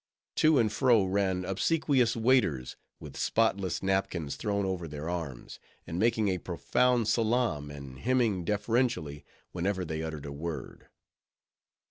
To and fro ran obsequious waiters, with spotless napkins thrown over their arms, and making a profound salaam, and hemming deferentially, whenever they uttered a word.